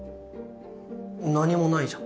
何もないじゃん。